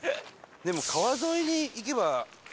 でも川沿いに行けば海は。